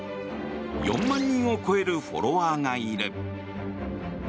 ４万人を超えるフォロワーがいる。